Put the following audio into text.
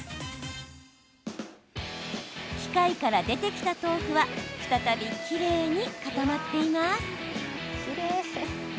機械から出てきた豆腐は再びきれいに固まっています。